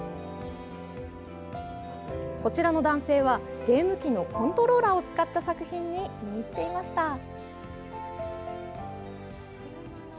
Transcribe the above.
こちらの男性は、ゲーム機のコントローラーを使った作品に見入っていました。